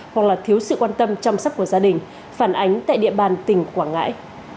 hoặc là thiếu sự quan tâm chăm sóc của gia đình phản ánh tại địa bàn tỉnh quảng ngãi